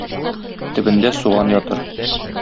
төбендә суган ятыр.